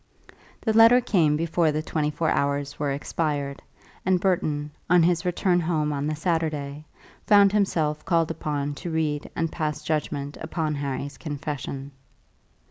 The letter came before the twenty four hours were expired, and Burton, on his return home on the Saturday, found himself called upon to read and pass judgment upon Harry's confession.